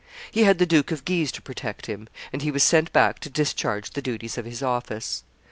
He had the Duke of Guise to protect him; and he was sent back to discharge the duties of his office.